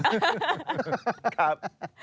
ครับ